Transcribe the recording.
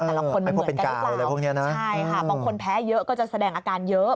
แต่ละคนเหมือนกันหรือเปล่าใช่ค่ะบางคนแพ้เยอะก็จะแสดงอาการเยอะ